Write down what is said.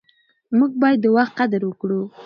موږ باید د وخت قدر وکړو.